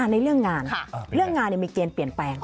ในเรื่องงานเรื่องงานมีเกณฑ์เปลี่ยนแปลง